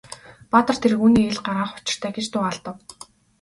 Баатар тэргүүнээ ил гаргах учиртай гэж дуу алдав.